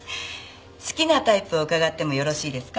好きなタイプを伺ってもよろしいですか？